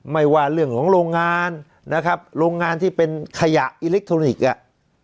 ไม่ว่าเรื่องของโรงงานนะครับโรงงานที่เป็นขยะอิเล็กทรอนิกส์อ่ะ